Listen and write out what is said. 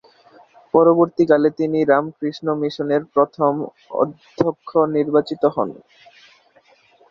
পরবর্তীকালে তিনি রামকৃষ্ণ মিশনের প্রথম অধ্যক্ষ নির্বাচিত হন।